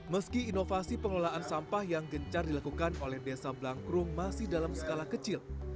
meski inovasi pengelolaan sampah yang gencar dilakukan oleh desa blangkrum masih dalam skala kecil